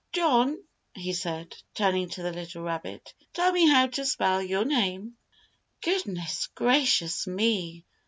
"John," he said, turning to the little rabbit, "tell me how to spell your name." Goodness gracious me!